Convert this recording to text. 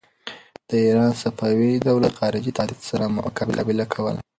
د ایران صفوي دولت له خارجي تهدید سره مقابله کوله.